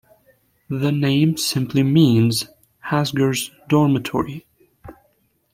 The name simply means Hassager's dormitory.